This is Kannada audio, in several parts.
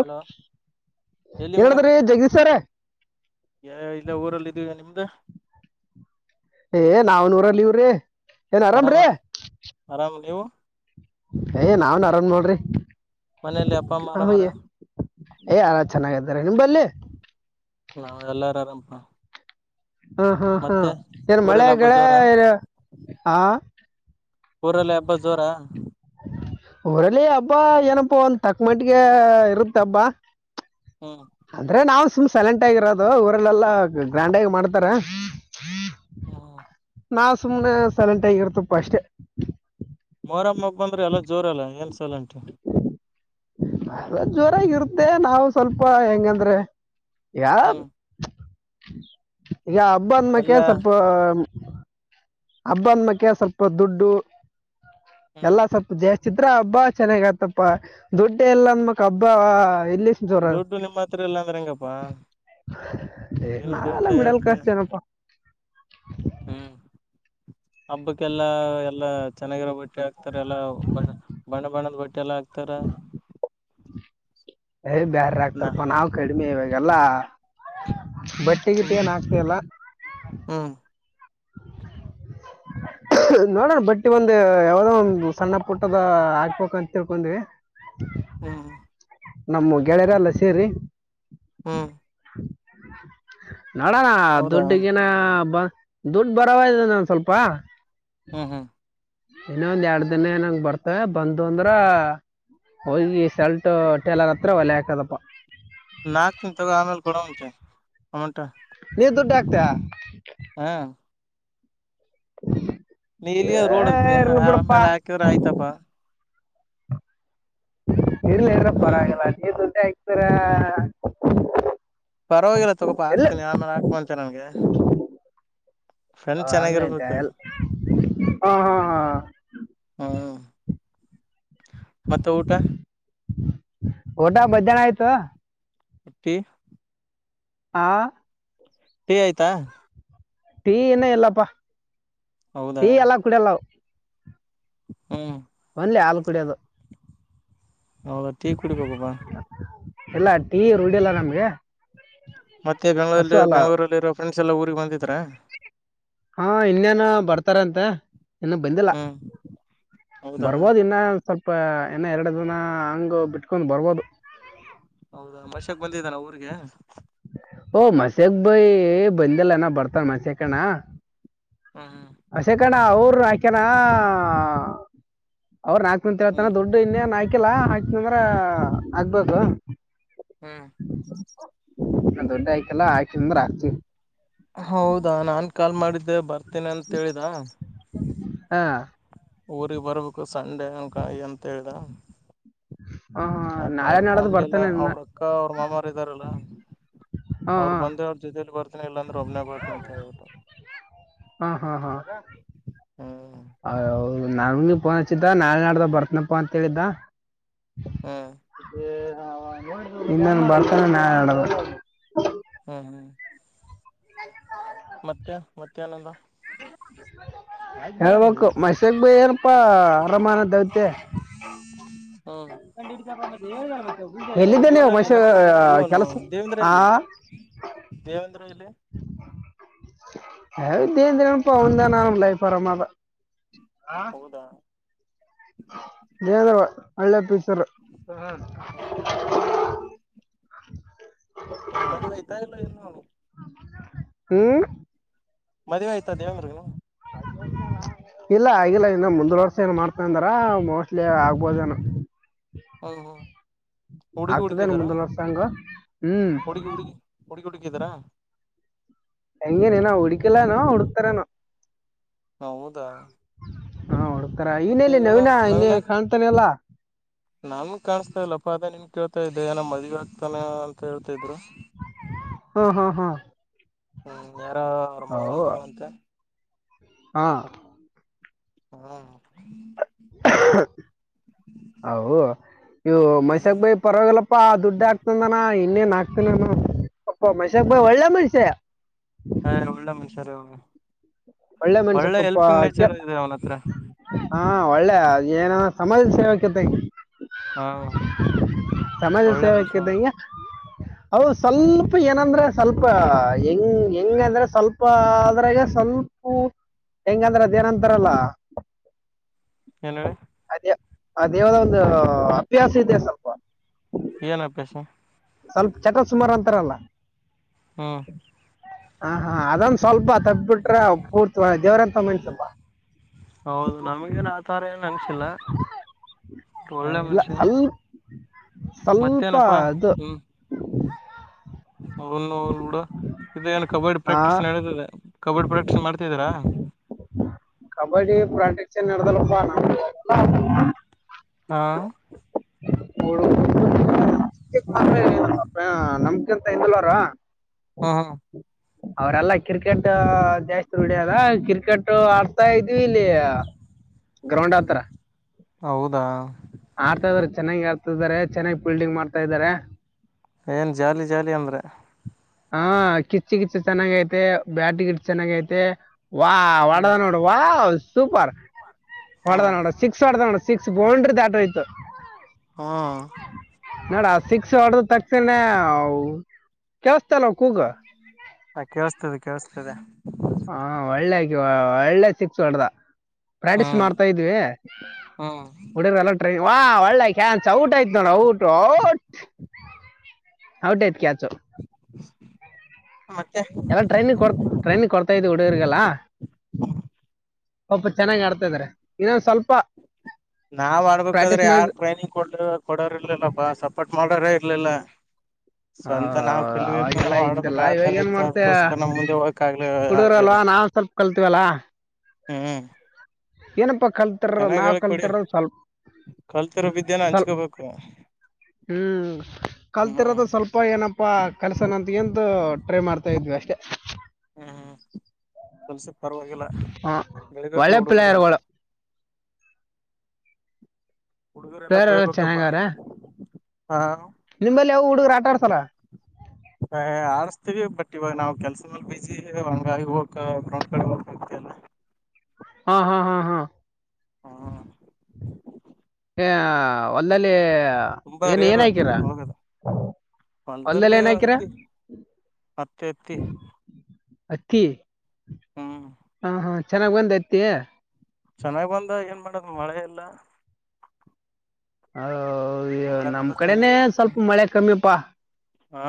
ಹಲೋ ಹೇಳಲ್ಲಿ ಮಗ ಹೇಳಿದ್ರಿ ಜಗದೀಶ್ ಸರ್ ಇಲ್ಲ ಊರಲ್ಲಿ ಇದೀವಿ ನಿಮ್ದ ಏ ನಾವ ನೂರಲ್ಲಿ ಇವ್ರಿ ಏನ್ ಆರಾಮ ಆರಾಮ್ರಿ ಆರಾಮ ಲವು ಏ ನಾವನ್ ಅರನ್ ಮನೇಲಿ ಅಪ್ಪ ಅಮ್ಮ ಆರಾಮಾರ ನೋಡ್ರಿಯ್ಯ ಏಯ್ ಯಾರ ಚೆನ್ನಾಗಾರೆ ನಿಮ ಬಲ್ಲಿ ನಾವ್ ಎಲ್ಲಾರು ಆರಾಮಪ ಹಾ ಹಾ ಹ್ಮ ಮತ್ತೆ ಏನ್ ಮಳೆ ಊರಲ್ಲಿ ಹಬ್ಬ ಜೋರ ಳ ಹ ಹೂರಲ್ಲಿ ಹಬ್ಬ ಜೋರಾ ಊರಲ್ಲಿ ಹಬ್ಬಾ ಏನಪ್ಪ ಒಂದ ತಕ್ಕ ಮಟ್ಟಿಗೆ ಇರುತ್ತ ಹಬ್ಬಾ ಹಾ ಅಂದ್ರೆ ನಾವು ಸುಮ್ ಸೈಲೆಂಟ್ ಆಗಿರೋದು ಊರಲ್ಲೆಲ್ಲಾ ಗ್ರ್ಯಾಂಡ್ ಆಗ ಮಾಡ್ತಾರ ಹಾ ಹ ನಾವು ಸುಮ್ಮನೆ ಸೈಲೆಂಟ್ ಆಗಿ ಇರ್ತಪ್ಪ ಅಷ್ಟೇ ಮೊರ್ ಮಗ್ ಬಂದ್ರೆ ಎಲ್ಲ ಜೋರಲ್ಲ ಏನ್ ಸಲಂಟ ಅ ಜೋರಾಗಿ ಇರುತ್ತೆ ನಾವು ಸ್ವಲ್ಪ ಹೆಂಗಂದ್ರೆ ಯ ಹ್ಮ್ ಈಗ ಹಬ್ಬ ಅಂದ ಮಕ ಎಲ್ಲಾ ಸ್ವಲ್ಪ ಹಬ್ಬಂದ ಮಕ್ಕೆ ಸ್ವಲ್ಪ ದುಡ್ಡು ಹ್ಮ್ ಎಲ್ಲಾ ಸ್ವಲ್ಪ ಜಾಸ್ತಿ ಚಿತ್ರ ಹಬ್ಬ ಚೆನ್ನಾಗ ಆತ್ತಪ್ಪ ದುಡ್ಡ ಎಲ್ಲ ಅಂದ ಮಕ್ ಹಬ್ಬ ಎಲ್ಲಿ ಜೋರ ದುಡ್ಡು ನಿಮ್ಮ ಹತ್ರ ಇಲ್ಲ ಅಂದ್ರೆ ಹೆಂಗಪ್ಪಾ ದಿನ ನಾವೆಲ್ಲ ದುಡಿತಾ ಮಿಡಲ್ ಇರ್ತಿ ಕ್ಲಾಸ್ ಜಏನಪ್ಪಾ ಹ್ಮ್ ಹಬ್ಬಕ್ಕೆಲ್ಲಾ ಎಲ್ಲಾ ಚೆನ್ನಾಗಿರಬಿಟ್ಟು ಬಟ್ಟಿ ಹಾಕ್ತಾರ ಎಲ್ಲ ಬ ಬಣ್ಣ ಬಣ್ಣದ ಬಟ್ಟೆ ಎಲ್ಲ ಹಾಕ್ತಾರ ಯ್ ಬ್ಯಾರ ನಾ ಆಗ್ತಾರಪಾ ನಾವವು ಕಡಿಮೆ ಇವಾಗಲ್ಲಾ ಬಟ್ ಕಗಿಟ್ಟ ಏನು ಆಗ್ತತಿಲ್ಲ ಹಾ [inaudible] ನೋಡೋಣ ಬಟ್ಟಿ ಒಂದ ಯಾವದೋ ಒಂದು ಸಣ್ಣ ಪುಟ್ಟದ ಹಾಕ್ಬೇಕ ಅಂತ ತಿಳ್ಕೊಂಡ್ವಿ ಹ ಹಾ ನಮ್ಮ ಗೆಳೆಯರೆ ಎಲ್ಲ ಸೇರಿ ಹ್ಮ್ ನಡಾನ ಹೌದಾ ದದುಡ್ಡಿಗೆನ ಬ ದುಡ್ಡು ಬರವ ಇ ನಾನು ಸ್ವಲ್ಪ ಹಾ ಹಾ ಇನ್ನ ಒಂದ್ ಎರಡ್ ದಿನ ಏಂಗ್ ಬರ್ತವೆ ಬಂದ ಅಂದ್ರ ಹೋಗಿ ಸಾಲ್ಟು ಟೇಲರ್ ಹತ್ರ ಒಲೆ ಹಾಕದಪ್ಪ ನಾಲ್ಕು ದಿನ ತೊಗೋ ಆಮೇಲೆ ಕೊಡೋಂತೆ ಅಮೌಂಟ ನೀದ ದುಡ್ಡ್ ಹಾಕ್ದ ಹಾ ಹ ನೀಲಿ ರೋಡ್ ಹಕ ಆ ಆಮ್ಯೇಲೆ ಹಾಕ್ಯವ್ರ ಆಯ್ತಪಾ ಇಲ್ಲ ಅಂದ್ರ ಹ್ಮ್ ಪರವಾಗಿಲ್ಲ ನೀ ದುಡ್ಡ ಹಾಕ್ತರ ಪರವಾಗಿಲ್ಲ ತಗೋಪ ಎಲ್ಲ ಹಾಕ್ತೀನಿ ಆಮೇಲೆ ಹಾಕಬೊಂಂತೆೆ ನನ್ಗೆ ಫ್ರೆಂಡ್ ಹ ಹಂಗೈಂತೆ ಚೆನ್ನಾಗಿರ್ಬೇಕು ಎ ಹ ಹಾ ಹಾ ಹ್ಮ ಮತ್ತೆ ಊಟ ಓಟಾ ಬದ್ ಜನ ಆಯ್ತು ಎಟ್ಟಿ ಆಾಂ ಫೀ ಆಯ್ಾ ಟೀನ ಇಲ್ಲಪ್ಪಾ ಹೌದಾ ಟೀ ಎಲ್ಲ ಕುಡಿಯಲ್ಲ ಹಾ ಒಂದ್ಲಿ ಹಾಲು ಕುಡಿಯೋದು ಹೌದ ತಿೀ ಕುಡಿ ಕ ಗಬ ಇಲ್ಲ ಟೀ ರೂಢಿಲ್ಲ ನಮ್ಗೆ ಮತ್ತೆ ಹಸು ಬೆಂಗಳೂರಲ್ಲಿ ಅಲ್ಲ ಬೆಂಗಗಳೂರಲ್ಲಿರೋ ಫ್ರೆಂಡ್ಸ್ ಎಲ್ಲಾ ಊರಿಗೆ ಬಂದಿದ್ರ ಹಾ ಇನ್ನೇನ ಬರ್ತಾರಂತೆ ಇನ್ನು ಬಂದಿಲ್ಲ ಹ್ಮ್ ಹೌದಾ ಬರ್ಬೋದ ಇನ್ನ ಸ್ವಲ್ಪ ಇನ್ನ ಎರಡು ದನ ಹಂಗ್ ಬಿಟ್ಕೊಂಡ್ ಬರ್ಬೋದು ಹೌದಾ ಮಶಾಕ್ ಬಂದಿದ್ದಾನ ಊರಿಗೆ ಓ ಮಸ್ಯಕ್ ಬಯಿ ಬಂದಲ್ಲನ ಬರ್ತಾನ ಮಸ್ಯಾ ಕಣ ಹಾಂ ಹಾಂ ಅಶೇಖಣ್ಣ ಅವರು ಹಾಕ್ಯನಾ ಅವ್ರ ನಾಕನಂತ ಹೇಳ್ತಾನ ಹ್ಮ್ ದೊಡ್ಡ ಇನ್ನೇನ್ ಹಯಕಿಲ್ಲ ಆಯತ ಅಂದ್ರ ಆಕ್ಬೇಕು ಹ್ಮ್ ನ ದೊಡ್ಂಡೆ ಆಯಕಲ್ಲ ಹಾಕ ಅಂದ್ರ ಹಾಕ್ತವಿ ಹೌದಾ ನಾನು ಕಾಲ್ ಮಾಡಿದ್ದೆ ಬರ್ತೀನಿ ಅಂತೇಳಿದ ಹಾ ಊರಿಗೆ ಬರ್ಬೇಕು ಸಂಡೆ ಹಂಕಾಯಿ ಅಂತೇಳಿದ ಹಾ ಆಯ್ತು ನಾಳೆ ಅವ್ರ ನಾಡದ್ ಫ್ಯಾಮಿಲಿ ಎಲ್ಲ ಬರ್ತಾನೆ ಇನ್ನ ಅವ್ರ ಅಕ್ಕ ಅವ್ರ ಮಾಮಾರ ಇದ್ದಾರಲ್ಲ ಹಾ ಅವ್ರು ಬಂದ್ರೆ ಹಾ ಅವ್ರ ಜೊತಲಿ ಬರ್ತಾರೆ ಇಲ್ಲಾಂದ್ರೆ ಒಬ್ಬನೇೋತನ ಅಂತ ಹೇಳ್ಬಿಟ್ಟು ಹ್ಮ್ ಹದು ನನ್ಗೆ ಫೋನ್ ಹಚ್ಚಿದ್ದ ನಾಳೆ ನಾಡ್ದ ಬರ್ತನಪ್ಪ ಅಂತ ಹೇಳಿದ್ದ ಹಾಂ ಇನ್ನನ್ು ಬರ್ತೇಾನ ನ ಹೇಳದು ಹಾ ಹಾ ಹ ಮತ್ತೆ ಮತ್ತೆಹನಂದ ಹೇಳ್ಬೇಕು ಮೈಸಕ್ ಭ ಏನಪಾ ಅರಮಾನ ದವತೆ ಹ್ಮ್ ಎಲ್ಲಿದ್ದೆ ನೀವು ಇವನಲ್ಲಿ ಮಶ ಮ ಇವನು ಕೆಲಸ ದೇವೇಂದ್ರ ಆ ಅಲ್ಲಿ ದೇವಂದ್ರು ಇಲ್ಲಿ ಹಂದಿನನು ಪನ್ಂತಲಾಯ ಪರಮ್ಮ ಹೌದಾ ದದವ ಹಳ್ಳೆ ಪೀಸರ ಹ್ಮ್ ಹ್ಮ್ ಏನ್ ಮದುವೆ ಆಯ್ತಾ ಇಲ್ಲ ಏ ಹ್ಮ ಮದುವವೆೆ ಆಯ್ತ ದೇವೇಂದ್ರಗನು ಇಲ್ಲ ಆಗಿಲ್ಲ ಇನ್ನು ಮುಂದ್ ವರ್ಷ ಏನ್ ಮಾಡ್ತಾ ಅಂದಾರ ಮೋಸ್ಟ್ಲಿ ಆಗ್ಬೋದ ಏನ ಹಾಂ ಹಾ ಹುಡುಗಿ ಆಗ್ತದೇನು ಹುಡುಗಿಿದಾರಾ ಮುಂದಿನ ವರ್ಷ ಹಂಗ ಹ್ಮ್ ಹುಡುಗಿ ಹುಡುಗಿ ಹುಡುಕಿ ಹುಡುಕಿದ್ರಾ ಹೆಂಗನೇ ನ ಹುಕಲಾನೋ ಹುಡುಕ್ತಾರಾನ ಹೌದಾ ಹಾ ಹಡ್ತಾರ ಮತ್ತೆ ನಲ್ಲಿ ಇವನ ನವೀಿನ ಇ ಕಾಣ್ತಾನಲ್ಲಾ ನಾನ್ ಕಾಣಿಸಸ್ತಾ ಇಲ್ಲ ಪ ಅ ನಿಮ್ ಕೇಳ್ತಾ ಇದ್ದೆಏ ನಮ್ಮ ಮದ್ವಿ ಆಗ್ತಾನೆ ಅಂತ ಹೇಳ್ತಾ ಇದ್ರು ಹಾ ಹಾ ಹಾ ಹ್ಮ್ ಯಾರ ಅವ್ರ ಮಾವನ್ ಅವು ಮ ಅಂತ ಹಾ ಹಾ ಹ ಹ ಇವು ಹ್ಮ್ ಮೈಸಕ್ ಬೈಿ ಪರವಾಗಿಲ್ಲಪ್ಪಾ ದುಡ್ಡಾ ನ ಇನ್ನೇನ್ ಆಗ್ತನ ಅಪ್ಪ ಮಶಕ್ ಬಾಯ್ ಒಳ್ಳೆ ಮನುಷ್ಯ ಹ ಒಳ್ಳೆ ಮನ್ಸರ್ ಮನುಷ್ಯ ಒಳ್ಳೆ ಪಾಪ ಹೆಲ್ಫಿಂಗ್ ಕೇ ನೇಚರ್ ಇದೆ ಅವನ ಹತ್ರ ಹಾ ಒಳ್ಳೆ ಅ ಏನ ಸಮಾಜದ ಸೇವೆಕತೆ ಹಾ ಸಮಾಜ ಒಳ್ಳೆ ಸೇವಕ ಮನುಷ್ಯ ಅವನು ಈಗ ಹೌದು ಹ್ಮ್ ಸ್ವಲ್ಪ ಏನಂದ್ರೆ ಸ್ವಲ್ಪ ಹೆಂಗ ಹೆಂಗ ಅಂದ್ರೆ ಸ್ವಲ್ಪ ಅದ್ರಾಗ ಸ್ವಲ್ಪ ಹ ಹೆಂಗಂದ್ರ ಅದೇಏನಂತಾರಲ್ಲ ಎಲ್ಲಡೆ ಅದೇ ಆ ದೇವದ ಒಂದು ಅಪ್ಯಾಸ ಇದೆ ಸ್ವಲ್ಪ ಏನಪ್ಪಸ ಸ್ವಲ್ಪ ಚಟ ಸುಮಾರು ಅಂತಾರಲ್ಲ ಹ್ಮ ಹ ಹಾ ಅದಂದು ಸ್ವಲ್ಪ ತಪ್ಪಬಿಟ್ರ ಪೂರ್ತಿ ದೇವ್ರಂತ ಮ ಸ್ವಲ್ಪ ಹೌದು ನಮಗೇನು ಆ ಥರ ಏನು ಅನಿಸಿಲ್ಲ ಒಳ್ಳೆಯ ಇಲ್ಲ ಮನಷೆ ಸ್ವಲ್ಪ ಸ್ವಲ್ಪ ಅದು ಹ್ಮ್ ಅವನು ಲೂಡೋ ಇದು ಏನು ಕಬಡ್ಡಿ ಆ ಪ್ರಾಕ್ಟೀಸ್ ನಡತದೆ ಕಬಡ್ಡಿ ಪ್ರಾಕ್ಟೀಸ್ ಮಾಡ್ತಿದೀರಾ ಕಬಡ್ಡಿ ಪ್ರಾಕ್ಟಿಕ್ಸ ನಡೆದಲು ಬ ಹಾ ಮೂರು [inaudible] ಅ ನಮ್ಕಂತ ಇಲ್ರ ಹಾ ಹಾ ಅವ್ರಲ್ಲಾ ಕ್ರಿಕೆಟ್ ಜಾಸ್ತಿ ಡಿಯದ ಕ್ರಿಕೆಟ್ ಆಡ್ತಾ ಇದ್ವಿ ಇಲ್ಲಿ [inaudible] ಗ್ರೌಂಡ್ ಹತ್ರ ಹೌದಾ ಆಡ್ತಾ ಇದಾರೆ ಚೆನ್ನಾಗಿ ಆಡ್ತಾಾರೆ ಚೆನ್ನಾಗಿ ಬಿಲ್ಡಿಂಗ್ ಮಾಡ್ತಾ ಇದಾರೆ ಏನ್ ಜಾಲಿ ಜಾಲಿ ಅಂದ್ರೆ ಹ ಕಿಚ್ಚು ಕಿಚ್ಚು ಚೆನ್ನಾಗ ಐತೆ ಬ್ಯಾಟ್ ಗಿಟ್ ಚೆನ್ನಾಗ ಐತೆ ವಾ ವಡದ ಹ್ಮ್ ನೋಡ ವ ಸೂಪರ್ ಹೊದ ಹ್ಮ್ ನೋಡ ಸಿಕ್ಸ್ ಹೊದ ನೋಡ ಸಿಕ್ಸ್ ಬೌಂಡ್ರಿ ದಾಟ್ರ ಇತತ್ತು ಹಾ ನೋಡ ಶಿಕ್ಸ್ ಹೊಡ್ರ ತಕ್ಷಕ್ಷಣ ಕೆಳ್ಸ್ತಲ್ ಕೂಗ ಹ ಕೇಳಸ್ತದೆ ಕೇಳಸ್ತದೆ ಹಾ ಒಳ್ಳೆ ಆಕಿವ ಒಳ್ಳೆ ಸಿಕ್ಸ್ ಹೊಡದ ಪ್ರಾಕ್ಟೀಸ್ ಹ್ಮ್ ಮಾಡ್ತಾ ಇದ್ವಿ ಹ್ಮ್ ಉಡಿಯರ್ ಎಲ್ಲ ವಾ ಒಳ್ಳ ಕ್ಯಾನ್ಸ ಔಟ್ ಆಯ್ತ ನೋಡ ಔಟು ಔಟ್ ಹೌಟೈ್ತ್ ಕ್ಯಾಚು ಹ ಮತ್ತೆ ಎಲ್ಲಾ ಟ್ರೈನಿಗೆ ಕೊ ಟ್ರೈನಿಗೆ ಕೊಡ್ತಾ ಇದ್ವಿ ಹುಡುಗರ್ರಿಗೆಲ್ಲಾ ಸ್ಪ ಚೆನ್ನಾಗಿ್ ಆಡ್ತಾ ಇದಾರೆ ಇನ್ನೊಂದ ಸ್ವಲ್ಪ ನಾವ್ ಆಡ್ಬೇಕಾದ್ರೆ ಪ್ರಾಕ್ಟೀಸ್ ಮಾಡಿ ಯಾರ್ ಟ್ರೈನಿಂಗ್ ಕೊಡ್ ಕೊಡೋರ್ರ್ಲಿಲ್ಲಪ್ಪಾ ಸಪೋರ್ಟ್ ಮಾಡೋರೇ ಇರ್ಲಿಲ್ಲ ಆ, ಸ್ವಂತ ನಾವು ಕಲಿಬೇಕು ಅವಾಗೆಲ್ಲ ನಾವು ಇದ್ದಿಲ್ಲ ಆಡ್ಬೇಕು ಇವಾಗ ಆತರ ಏನ್ ಇತ್ತು ಮಾಡ್ತೆ ಅದಕೋಸ್ಕರ ನಾ ಮುಂದೆ ಹೋಗಕಾಗ್ಲ ಆಗ್ಲಿಲ್ಲ ಕಲ್ತೀವಲ್ಲಾ ಹ್ಮ್ ಏನಪ್ಪಾ ಕಲ್ತಿರ ಚೆನ್ನಾಗ್ ನಾವ್ ಹೇಳ್ಕೊಡಿ ಕಲ್ತಿರ ಸ್ವಲ್ಪ ಕಲ್ತಿರೋ ಬಿದ್ಯೆನ ಸ್ವಲ್ಪ ಹಂಚ್ಕೋಬೇಕು ಹ್ಮ್ ಹ್ಮ್ ಕಲ್ತಿರೋದು ಸ್ವಲ್ಪ ಏನಪ್ಪಾ ಕಲ್ಸನ ಅಂತ ಎಂತ ಟ್ರೈ ಮಾಡ್ತಾ ಇದ್ವಿ ಅಷ್ಟೇ ಹ್ಮ್ ಹ್ಮ್ ಕೆಲ್ಸ ಪರವಾಗಿಲ್ಲ ಹಾ ಬೆಳಗಕ ಒಳ್ಳೆ ಹುಡುಗರಲ್ಲ ಪ್ಲೇಯರ್ಗಳು ಹುಡುಗರೆಲ್ಲ ಪ್ಲೇಯರ್ ಎಲ್ಲ ಬೆಳಬೇಕಪ್ಪಾ ಚೆನ್ನಾಗವ್ರೆ ಹಾ ನಿಮ್ಮಲ್ಲಿ ಯಾವ ಹುಡುಗ ಆಟ ಆಡ್ತಲ್ಲ ಹ ಆಡಸ್ತೀವಿ ಬಟ್ ಇವಾಗ ನಾವ್ ಕೆಲ್ಸ ಮೇಲ್ ಬಿಸಿಿ ಹಂಗಾಗಿ ಹೋಗ ಗ್ರೌಂಡ್ ಕಡೆ ಹೋಗ್ಬೇಕ ಹಾ ಹಾ ಹಾ ಹಾ ಹಾ ಹ ಹೊಲದಲ್ಲಿ ತುಂಬಾ ಏನ್ ಏನ್ ಹಾಕೀರ ಹೊಲದಲ್ಲಿ ಅಕ್ಕಿ [inaudible] ಹಾಕೇತಿ ಅಕ್ಕಿ ಹಾ ಹಾ ಹಾ ಚೆನ್ನಾಗ್ ಬಂದ್ಐತಿ ಚೆನ್ನಾಗ್ ಬಂದಾಗ ಏನ್ ಮಾಡದ ಮಳೆ ಇಲ್ಲ ಹ ಐಯೋ ಮಳೆ ನಮ್ ಬಂದ್ರ ಕಡೆನೆ ಚೆನ್ನಾಗಿರ್ತಿತ್ತು ಸ್ವಲ್ಪ ಮಳೆ ಕಮ್ಮಿಪಾ ಹಾ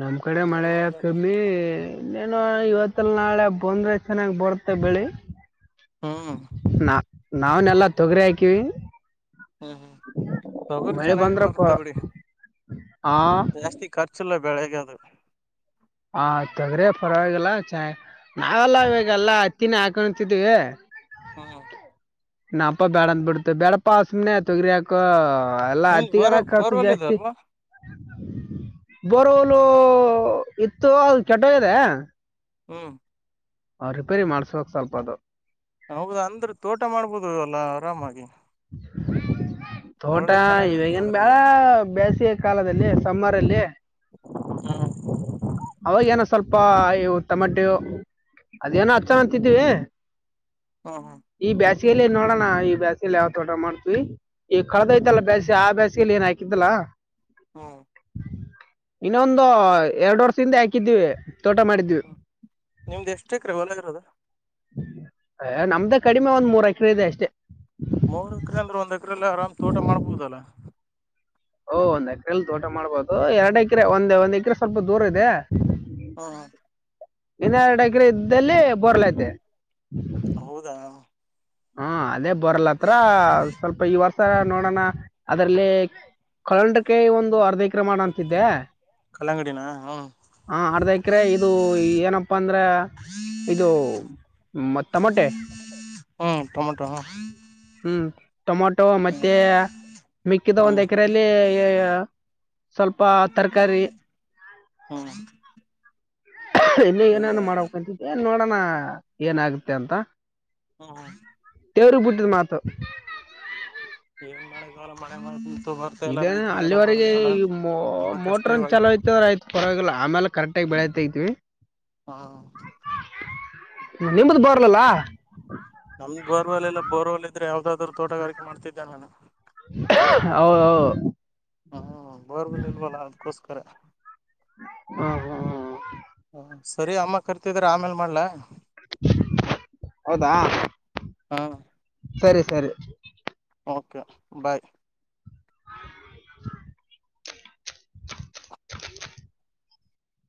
ನಮ್ಮ್ ಕಡೆ ಏನ್ ಮಳೆ ಮಾಡೋದಲ್ಲ ಕಮ್ಮಿ. ಇನ್ನೇನು ಇವತ್ತಲ್ ನಾಳೆ ಬಂದ್ರೆ ಚೆನ್ನಾಗ್ ಬರ್ತ್ತೆ ಬೆಳಿ ಹ್ಮ ನಾ ನಾವನೆಲ್ಲಾ ತೊಗರಿ ಹಾಕವಿ ಹ್ಞೂ ಹ್ಞೂ ತೊಗರಿ ಚೆನ್ನಾಗಾಗಿ ಬರುತ್ತೆ ಬಿಡಿ ಹಾ ಜಾಸ್ತಿ ಖರ್ಚುಲ್ಲ ಬೆಳಗ್ ಅದು ಹ ತಗ್ರಫರಗಲ್ಲ ಚೆ ನಾವೆಲ್ಲ ಇಾಗಲ್ಲಾ ಹತ್ತಿನ ಹಾಕೊತಿದ್ವಿ ಹಾಂ ಹಾ ನಾಪ್ಪ ಬೇಡ ಅಂದ ಬಿಡ್ತ ಬೇಡಪ್ಪ ಆಸಮನೆ ತೊಗರಿಯಕ ನಿಮ್ದ್ ಬೋರ್ ಅಕ್ಕಿಗೆಲ್ಲ ಖರ್ಚು ಬೋರ್ವೆಲ್ ಇದೆ ಜಾಸ್ತಿ ಅಲ್ವಾ ಬೋರ್ವೆಲೂ ಹಲೋ ಇತ್ತು ಅದು ಕೆಟ ಹೋಗಿದೆ ಹಾಞ ್ ರಿಪೇರಿ ಮಾಡಸಬೇಕ್ ಸ್ವಲ್ಪ ಅದು ಹೌದಾ ಅಂದ್ರೆ ತೋಟ ಮಾಡ್ಬೋದಲ್ಲ ಆರಾಮಾಗಿ ತೋಟ ಒಳ್ಳೆ ಚೆನ್ನಾಗ ಅದ ಇವಗನ್ ಅದ್ರಲ್ಲಿ ಬೆಲಸೆತ್ ನಮ್ ಕಾಲದಲ್ಲಿ ಸಮ್ಮರಲ್ಲ ಹ್ಮ್ ಅವಾಗೇನೋ ಸ್ವಲ್ಪ ಉುಪ್ಪ ಇವುಟಮಟೆ ಅದೇನೋ ಹಚ್ಚ ಅಂತಿದೀ. ಹಾಂ ಹಾಂ ಈ ಬ್ಯಾಸ್ಗೆಲ್ಲಿ ನೋಡೋಣ ಈ ಬ್ಯಾಚ್ ಇಲ್ಲಿ ಯಾವ ತೋಟ ಮಾಡ್ತೀವಿ ಈಗ ಕಳೆದೋಯ್ತಲ್ಲ ಬೇಸ್ಸಗಿ ಆ ಬೇಾಸಿಗೆಲ್ಲಿ ಏನ್ ಹಾಕಿದ್ದಲ್ಲಾ [unintelligible] ಹ್ಞೂ ಇನ್ನೊಂದು ಎರಡು ವರ್ಷ ಹಿಂದೆ ಹಾಕಿದ್ವಿ ತೋಟ ಮಾಡಿದ್ವಿ ಹ್ಮ್ ನಿಮ್ದ್ ಎಷ್ಟ ಎಕ್ರೆ ಹೊಲ ಇರೋದು ಅ ನಮ್ದ ಕಡಿಮೆ ಒಂದ್ ಮೂರ್ ಎಕರೆ ಇದೆ ಅಷ್ಟೇ. ಮೂರ್ ಎಕರೆ ಅಂದ್ರೆ ಒಂದ್ ಎಕರೆಲ್ಲಿ ಆರಾಮ್ ತೋಟ ಮಾಡಬಹುದಲ್ಲಾ. ಓಹ ಒಂದ್ ಎಕರೆೆಯಲ್ಲಿ ತೋಟ ಮಾಡ್ಬೋದು ಎರಡ್ ಎಕರೆ ಒಂದ್ ಒಂದ್ ಎಕರೆ ಸ್ವಲ್ಪ ದೂರ ಇದೆ. ಹುಂ ಹುಂ ಇನ್ನೆರಡು ಎಕರೆ ಇದ್ದಲ್ಲಿ ಬೊರ್ಲೈತೆ ಹೌದಾ ಹಾ ಅದೇ ಬೋರ್ಲತ್ರ ಸ್ವಲ್ಪ ಈ ವರ್ಷ ನೋಡೋಣ ಅದ್ರಲ್ಲಿ ಕಂಡಕ್ಕೆ ಒಂದು ಅರ್ಧ ಕಲ್ಲಂಗಡಿನ ಹ್ಮ್ [unintelligible] ಅರ್ಧ ಎಕರೆ ಇದು ಏನಪ್ಪ ಏನಪ್ಪಾ ಅಂದ್ರೆ ಇದು ಮತ್ ತಮೋಟೆ ಹ್ಮ್ ಟೊಮಟೊ ಹ್ಮ್ ಟೊಮಾಟೊ ಮತ್ತೆ ಮಿಕ್ಕಿದ ಒಂದು ಹ್ಮ್ ಎಕರೆಯಲ್ಲಿ ಸ್ವಲ್ಪ ತರಕಾರಿ ಹ್ಮ್ ಇನ್ನೂ ಏನೇನು ಹೌದಾ ಮಾಡಕ್ಂತಿದ್ದೆ ನೋಡೋಣ ಏನಾಗುತ್ತೆ ಅಂತ [unintelligible] ಎರೆಡು ಬಿಟ್ಟಿದ್ ಮಾತು ಏನ್ ಮ ಮಾಡೆಗಲ್ಲ ಮಳೆ ಮಾಡ ಇದೇನ ಅಲ್ಲಿವರೆಗೆ ಮ ತುಂಬಾ ಕಷ್ಟ ಮೋಟ್ರನ್ ಇವಾಗ ಚಲೋ ಆಯ್ತದ್ರ ಆಯ್ತು ಪರವಾಗಿಲ್ಲ ಆಮೇಲೆ ಕರೆಕ್ಟಾಗಿ ಬೆಳೆತಾತಿವಿ ಹಾ ನಿಮ್ದ ಬರ್ಲಲ್ಲ ನಮ್ದ ಬರ್ವಲ್ ಎಲ್ಲ ಬೋರ್ವಲ್ ಇದ್ರೆ ಯಾವದಾದ್ರು ತೋಟಗಿಕೆ ಮಾಡತಿದ್ದೆ ನಾನು ಹೌದೌ ಹ್ಞೂ ಬೋರ್ಗ ಇಲ್ವಲ್ಲ ಅದಕ್ಕೋಸ್ಕರ ಹ್ಮ್ ಹ್ಮ್ ಹ್ಮ್ ಹ ಸರಿ ಅಮ್ಮ ಕರ್ತಿದ್ರ ಆಮೇಲ್ ಮಾಡ್ಲಾ ಹೌದಾ ಹಾಂ ಸರಿ ಸರಿ ಓಕೆ ಬಾಯ್ ಹ [unintelligible]